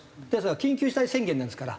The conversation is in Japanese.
緊急事態宣言なんですから。